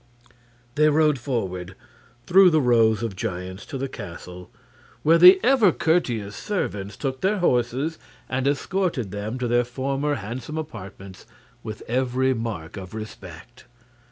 They rode forward through the rows of giants to the castle, where the ever courteous servants took their horses and escorted them to their former handsome apartments with every mark of respect.